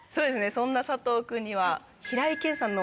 そんな佐藤君には。